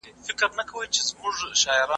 شعر بايد د خلګو د پوهي لپاره وي.